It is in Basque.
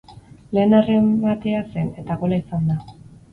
Lehen errematea zen, eta gola izan da.